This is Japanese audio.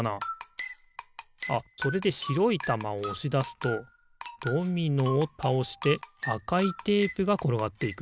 あっそれでしろいたまをおしだすとドミノをたおしてあかいテープがころがっていく。